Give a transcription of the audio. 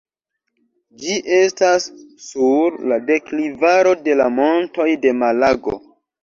Ĝi estas sur la deklivaro de la Montoj de Malago.